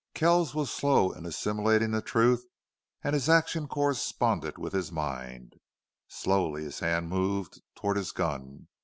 Kells was slow in assimilating the truth and his action corresponded with his mind. Slowly his hand moved toward his gun.